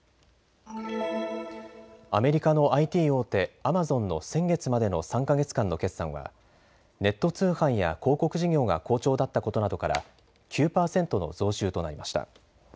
アメリカのＩＴ大手、アマゾンの先月までの３か月間の決算はネット通販や広告事業が好調だったことなどから９％の増収となりました。